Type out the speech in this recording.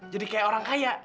jadi kayak orang kaya